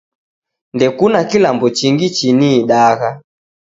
Ndekuna kilambo chingi chiniidagh.